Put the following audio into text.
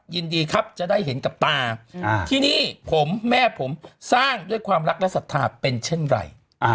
ยินดีครับจะได้เห็นกับตาที่นี่ผมแม่ผมสร้างด้วยความรักและศรัทธาเป็นเช่นไร